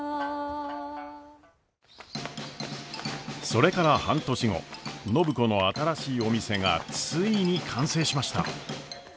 それから半年後暢子の新しいお店がついに完成しました。